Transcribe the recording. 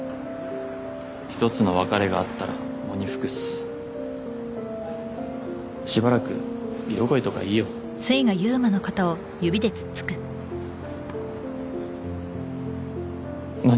一つの別れがあったら喪に服すしばらく色恋とかいいよ何？